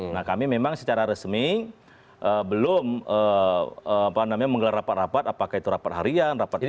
nah kami memang secara resmi belum menggelar rapat rapat apakah itu rapat harian rapat